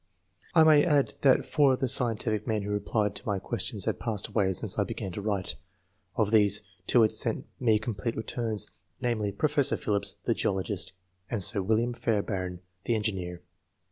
viii PREFACE. I may add that four of the scientific men who replied to my questions have passed away since I began to write. Of these, two had sent me complete returns, namely, Professor Phillips, the geologist, and Sir William Fairbairn, the engineer.